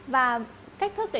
và cách thức để chọn thực phẩm chay